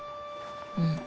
うん。